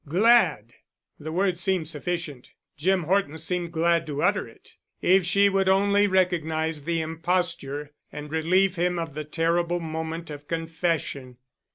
"Glad!" The word seemed sufficient. Jim Horton seemed glad to utter it. If she would only recognize the imposture and relieve him of the terrible moment of confession.